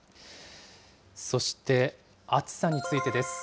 そして暑さについてです。